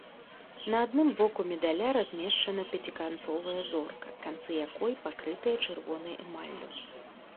На адным боку медаля размешчана пяціканцовая зорка, канцы якой пакрытыя чырвонай эмаллю.